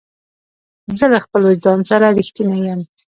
زه له خپل وجدان سره رښتینی یم.